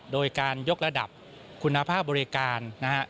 โดยการยกระดับคุณภาพบริการนะฮะ